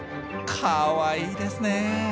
かわいいですね。